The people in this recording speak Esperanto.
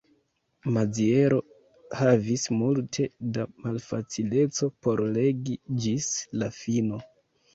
Maziero havis multe da malfacileco por legi ĝis la fino.